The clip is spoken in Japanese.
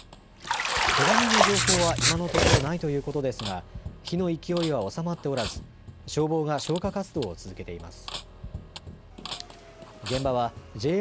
けが人の情報は今のところないということですが火の勢いは収まっておらず消防が消火活動を続けています。